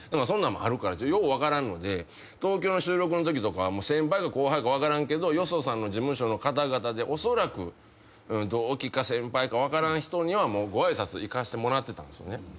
そんなんもあるからよう分からんので東京の収録のときとか先輩か後輩か分からんけどよそさんの事務所の方々でおそらく同期か先輩か分からん人にはご挨拶行かしてもらってたんですよね。